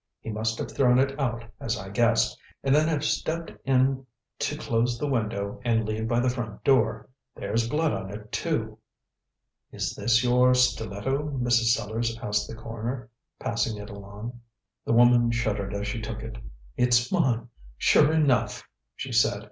He must have thrown it out, as I guessed, and then have stepped in to close the window and leave by the front door. There's blood on it, too." "Is this your stiletto, Mrs. Sellars?" asked the coroner, passing it along. The woman shuddered as she took it. "It's mine, sure enough," she said.